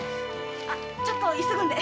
あちょっと急ぐんで！